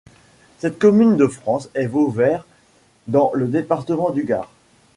Cette commune de France est Vauvert dans le département du Gard.